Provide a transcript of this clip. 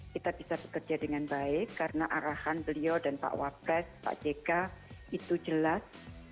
kita bisa bekerja dengan baik karena arahan beliau dan pak wapres pak jk itu jelas